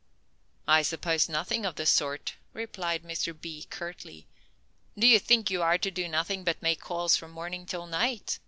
"I suppose nothing of the sort," replied Mr. B., curtly. "Do you think you are to do nothing but make calls from morning till night?